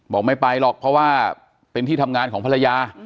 บอกไม่ไปหรอกเพราะว่าเป็นที่ทำงานของภรรยา